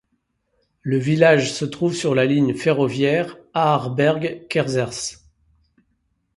Le village se trouve sur la ligne ferroviaire Aarberg-Kerzers.